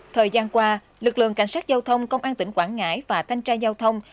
thời gian qua lực lượng cảnh sát giao thông công an tỉnh quảng ngãi và thanh tra giao thông